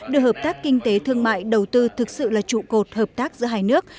đưa hợp tác kinh tế thương mại đầu tư thực sự là trụ cột hợp tác giữa hai nước